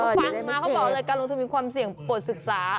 ฟังมาเขาบอกเลยการลงทวินความเสี่ยงปวดศึกษา